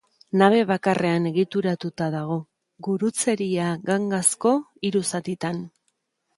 Nabe bakarrean egituratuta dago, gurutzeria-gangazko hiru zatitan.